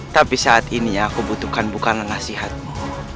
tapi saat ini aku butuhkan bukanlah nasihatmu